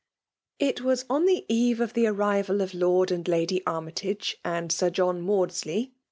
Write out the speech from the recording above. .. r It. was on the. eve of the arrival of j^effd; and Lady Armytage^ and Sir John Maodslsy.